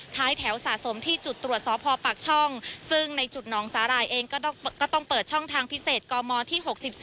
ท้ายแถวสะสมที่จุดตรวจสพปากช่องซึ่งในจุดหนองสาหร่ายเองก็ต้องเปิดช่องทางพิเศษกมที่๖๔